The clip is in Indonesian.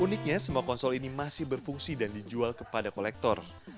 uniknya semua konsol ini masih berfungsi dan dijual kepada kolektor